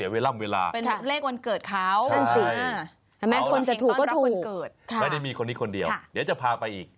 เลขวันเกิดเขาใช่ไหมคนจะถูกก็ถูกไม่ได้มีคนนี้คนเดียวเดี๋ยวจะพาไปอีก